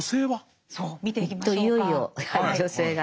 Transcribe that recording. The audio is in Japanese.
いよいよ女性が。